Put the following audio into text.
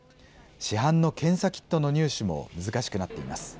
市販の検査キットの入手も難しくなっています。